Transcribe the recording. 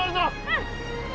うん！